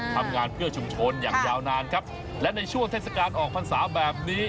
ทำงานเพื่อชุมชนอย่างยาวนานครับและในช่วงเทศกาลออกพรรษาแบบนี้